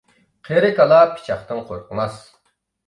قېرى كالا پىچاقتىن قورقماس.